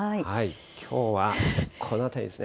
きょうは、この辺りですね。